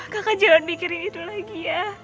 kakak jangan mikirin itu lagi ya